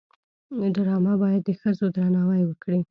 ډرامه باید د ښځو درناوی وکړي